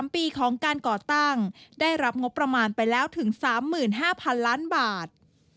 ๓ปีของการก่อตั้งได้รับงบประมาณไปแล้วถึง๓๕๐๐๐ล้านบาท